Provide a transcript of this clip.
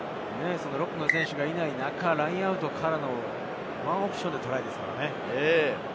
ロックの選手がいない中、ラインアウトからワンオプションでトライですからね。